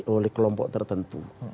oleh kelompok tertentu